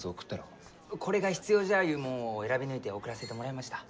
これが必要じゃゆうもんを選び抜いて送らせてもらいました。